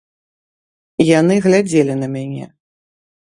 Яны глядзелі на мяне!